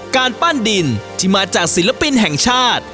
การปั้นดินที่มาจากศิลปินแห่งชาติ